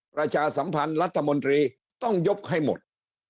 ประชาสัมพันธ์รัฐมนตรีต้องยกให้หมด